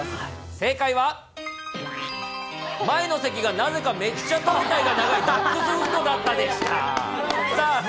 正解は、前の席がなぜかめっちゃ胴体が長いダックスフントだったでした。